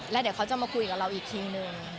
แล้วเดี๋ยวเขาจะมาคุยกับเราอีกทีนึง